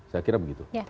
saya kira begitu